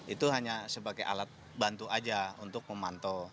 itu hanya sebagai alat bantu aja untuk memantau